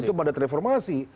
itu pada reformasi